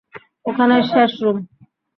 ওখানের শেষ রুম।